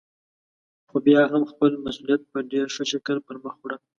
خو بيا يې هم خپل مسئوليت په ډېر ښه شکل پرمخ وړه.